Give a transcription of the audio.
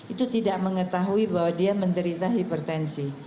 itu tidak mengetahui bahwa dia menderita hipertensi